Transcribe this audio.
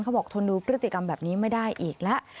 บอกทนดูพฤติกรรมแบบนี้ไม่ได้อีกแล้ว